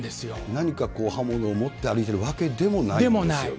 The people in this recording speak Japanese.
何か刃物を持って歩いてるわけでもないんですよね。